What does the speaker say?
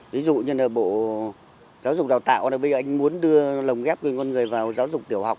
ví dụ như là bộ giáo dục đào tạo bây anh muốn đưa lồng ghép gửi con người vào giáo dục tiểu học